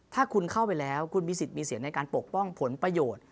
ถ้าคุณเข้าไปแล้วคุณมีสิทธิ์มีเสียงในการปกป้องผลประโยชน์